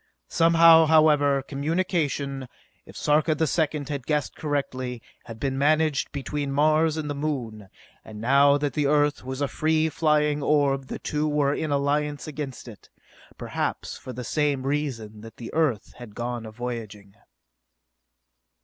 Somehow, however, communication, if Sarka the Second had guessed correctly, had been managed between Mars and the Moon; and now that the Earth was a free flying orb the two were in alliance against it, perhaps for the same reason that the Earth had gone a voyaging.